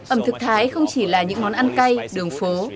ẩm thực thái không chỉ là những món ăn cay đường phố